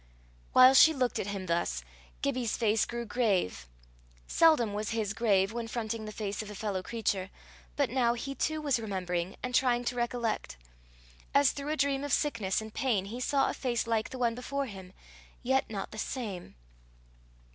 While she looked at him thus, Gibbie's face grew grave: seldom was his grave when fronting the face of a fellow creature, but now he too was remembering, and trying to recollect; as through a dream of sickness and pain he saw a face like the one before him, yet not the same.